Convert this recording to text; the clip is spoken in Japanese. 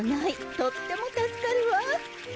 とっても助かるわ！